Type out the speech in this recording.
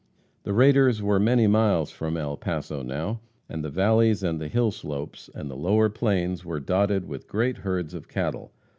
The raiders were many miles from El Paso now, and the valleys and the hill slopes, and the lower plains were dotted with great herds of cattle.